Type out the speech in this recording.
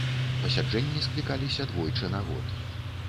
Пасяджэнні склікаліся двойчы на год.